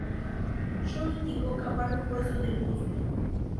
Xu indicó cavar un hueso del muslo.